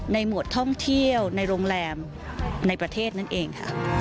หมวดท่องเที่ยวในโรงแรมในประเทศนั่นเองค่ะ